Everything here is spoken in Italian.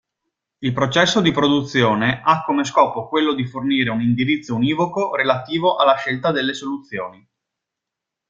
Il processo di produzione ha come scopo quello di fornire un indirizzo univoco relativo alla scelta delle soluzioni.